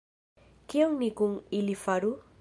Kion ni kun ili faru?